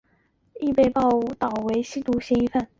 亦被报导为吸毒嫌疑犯。